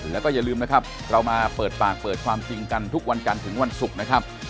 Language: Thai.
แล้วก็อย่าลืมนะครับเรามาเปิดปากเปิดความจริงกันทุกวันกันถึงวันศุกร์นะครับ